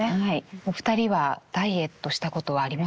お二人はダイエットしたことはありますか？